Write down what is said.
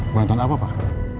bantuan apa pak